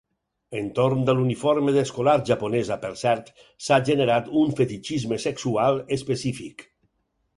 Entorn de l'uniforme d'escolar japonesa, per cert, s'ha generat un fetitxisme sexual específic.